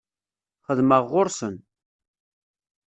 Xeddmeɣ ɣur-sen.